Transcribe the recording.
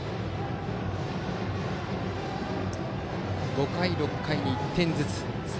５回、６回に１点ずつ。